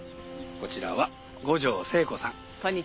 こちらは五条聖子さん。